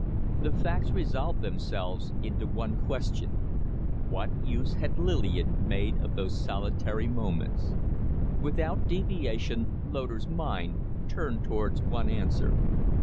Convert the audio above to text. The facts resolved themselves into one question. What use had Lillian made of those solitary moments? Without deviation, Loder's mind turned towards one answer.